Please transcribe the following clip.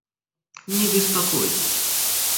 Не беспокойтесь!